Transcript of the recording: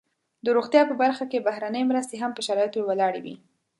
د روغتیا په برخه کې بهرنۍ مرستې هم پر شرایطو ولاړې وي.